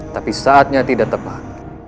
tapi saatnya tidak tepat